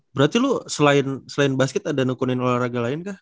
berarti lu selain basket ada nekunin olahraga lain kah